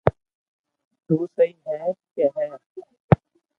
تو سھي ڪي ھي